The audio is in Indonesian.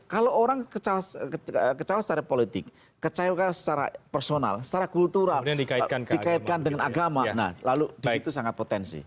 kalau orang kecawa secara politik kecawakan secara personal secara kultural dikaitkan dengan agama lalu di situ sangat potensi